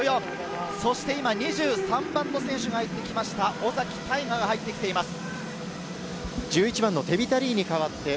そして今、２３番の選手が入ってきました、尾崎泰雅が入ってきています。